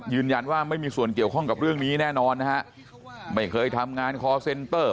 ยืนยันว่าไม่มีส่วนเกี่ยวข้องกับเรื่องนี้แน่นอนนะฮะไม่เคยทำงานคอร์เซ็นเตอร์